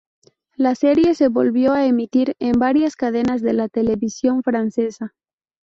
La serie se volvió a emitir en varias cadenas de la televisión francesa.